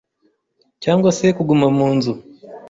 cyangwa se kuguma mu nzu.